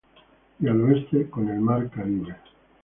Y al oeste, con el mar Caribe.